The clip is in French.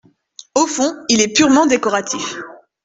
Au fond, il est purement décoratif.